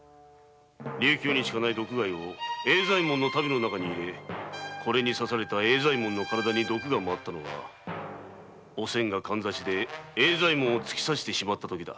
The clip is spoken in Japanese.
琉球にしかない毒貝を栄左栄門の足袋の中に入れこれに刺された栄左衛門の体に毒がまわったのはおせんがカンザシで突き刺してしまったときだ。